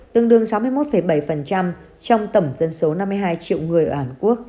tương đương sáu mươi một bảy trong tổng dân số năm mươi hai triệu người ở hàn quốc